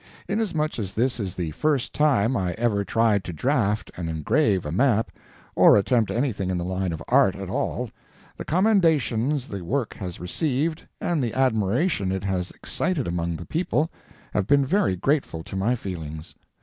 Inasmuch as this is the first time I ever tried to draft and engrave a map, or attempt anything in the line of art at all, the commendations the work has received and the admiration it has excited among the people, have been very grateful to my feelings.